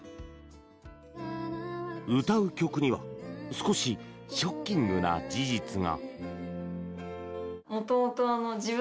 歌う曲には少しショッキングな事実が。